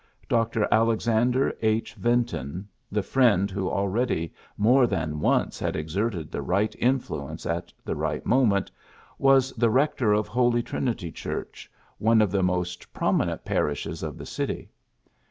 Dr. Alexander H. Vinton, the friend who already more than once had exerted the right influence at the right moment, was the rector of Holy Trinity Church, PHILLIPS BEOOKS 25 one of the most prominent parishes of the city.